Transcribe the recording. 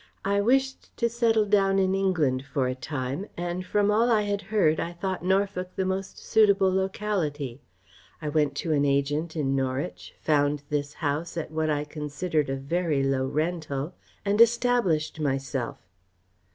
I wished to settle down in England for a time and from all I had heard I thought Norfolk the most suitable locality. I went to an agent in Norwich, found this house at what I considered a very low rental and established myself."